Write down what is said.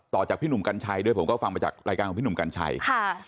ต่อจากพี่หนุ่มกัญชัยด้วยผมก็ฟังมาจากรายการของพี่หนุ่มกัญชัยค่ะ